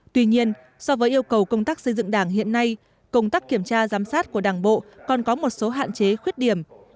tuy nhiên so với yêu cầu công tác xây dựng đảng hiện nay công tác kiểm tra giám sát của đảng bộ còn có một số hạn chế khuyết điểm